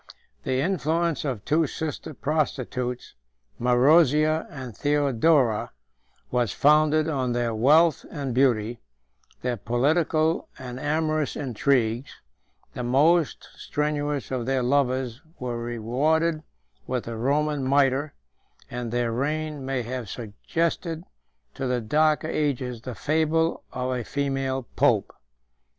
128 The influence of two sister prostitutes, Marozia and Theodora, was founded on their wealth and beauty, their political and amorous intrigues: the most strenuous of their lovers were rewarded with the Roman mitre, and their reign 129 may have suggested to the darker ages 130 the fable 131 of a female pope.